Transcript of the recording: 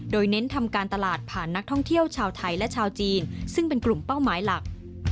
โดยเน้นทำการตลาดผ่านนักท่องเที่ยวชาวไทยและชาวจีนซึ่งเป็นกลุ่มเป้าหมายหลัก